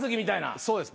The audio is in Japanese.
そうです